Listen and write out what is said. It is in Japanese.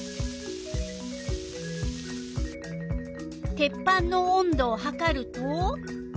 鉄板の温度をはかると？